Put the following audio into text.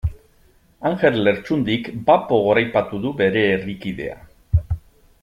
Anjel Lertxundik bapo goraipatu du bere herrikidea.